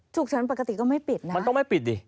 ฉุกเฉินปกติก็ไม่ปิดนะมันต้องไม่ปิดดิ